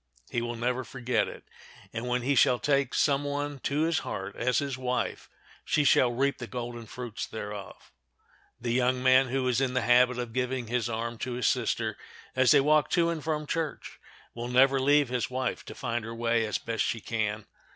He will never forget it, and when he shall take some one to his heart as his wife she shall reap the golden fruits thereof. The young man who is in the habit of giving his arm to his sister as they walk to and from church will never leave his wife to find her way as best she can.